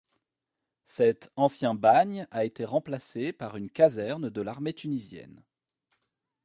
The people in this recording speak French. Cet ancien bagne a été remplacé par une caserne de l'armée tunisienne.